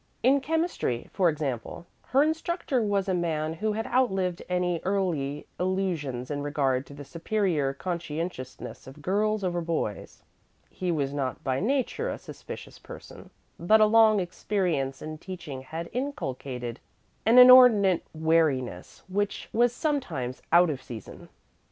In chemistry, for example, her instructor was a man who had outlived any early illusions in regard to the superior conscientiousness of girls over boys. He was not by nature a suspicious person, but a long experience in teaching had inculcated an inordinate wariness which was sometimes out of season.